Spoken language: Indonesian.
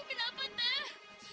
bu tahan sebentar ya bu